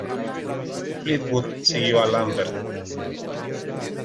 Fleetwood siguió a Lambert.